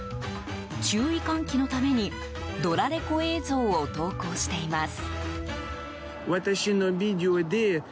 注意喚起のためにドラレコ映像を投稿しています。